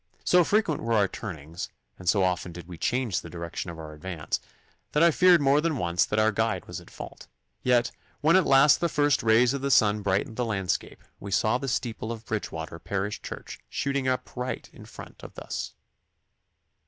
So frequent were our turnings, and so often did we change the direction of our advance, that I feared more than once that our guide was at fault; yet, when at last the first rays of the sun brightened the landscape we saw the steeple of Bridgewater parish church shooting up right in front of us.